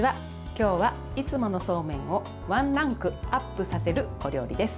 今日はいつものそうめんをワンランクアップさせるお料理です。